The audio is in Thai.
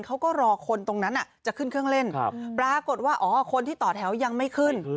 เขาก็รอคนตรงนั้นจะขึ้นเครื่องเล่นปรากฏว่าอ๋อคนที่ต่อแถวยังไม่ขึ้น